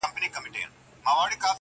ده د لاس په پورته کولو سره سلام وکړ.